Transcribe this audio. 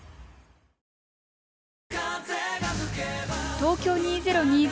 東京２０２０